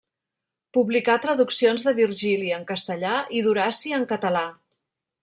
Publicà traduccions de Virgili en castellà i d'Horaci en català.